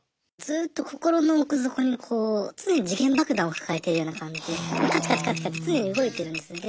ずっと心の奥底にこう常に時限爆弾を抱えてるような感じでカチカチカチカチ常に動いてるんですね。